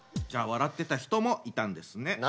じゃあ笑ってた人もいたんですね。